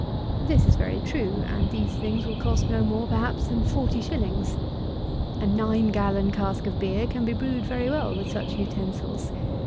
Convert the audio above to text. This is very true; and these things will cost no more, perhaps, than forty shillings. A nine gallon cask of beer can be brewed very well with such utensils.